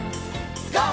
ＧＯ！